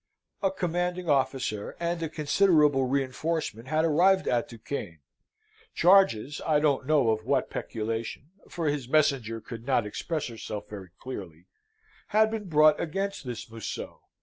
A commanding officer and a considerable reinforcement had arrived at Duquesne. Charges, I don't know of what peculation (for his messenger could not express herself very clearly), had been brought against this Museau.